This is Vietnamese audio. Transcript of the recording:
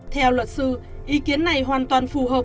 theo luật sư ý kiến này hoàn toàn phù hợp